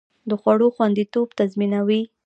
د خوړو خوندیتوب تضمینوي.